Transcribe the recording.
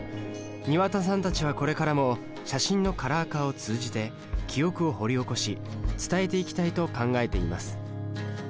庭田さんたちはこれからも写真のカラー化を通じて記憶を掘り起こし伝えていきたいと考えています。